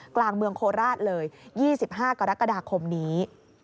กลางเมืองโคราชเลย๒๕กรกฎาคมนี้